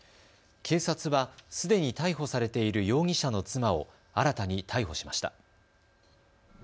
警察はすでに逮捕されている容疑者の妻を新たに逮捕しました。